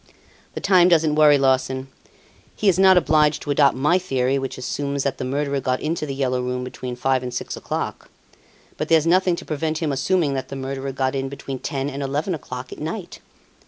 "The time doesn't worry Larsan. He is not obliged to adopt my theory which assumes that the murderer got into "The Yellow Room" between five and six o'clock. But there's nothing to prevent him assuming that the murderer got in between ten and eleven o'clock at night.